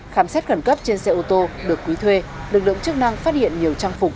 khám xét khẩn cấp trên xe ô tô được quý thuê lực lượng chức năng phát hiện nhiều trang phục